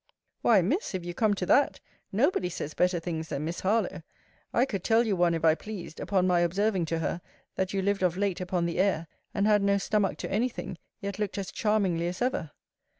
Why, Miss, if you come to that, nobody says better things than Miss Harlowe. I could tell you one, if I pleased, upon my observing to her, that you lived of late upon the air, and had no stomach to any thing; yet looked as charmingly as ever.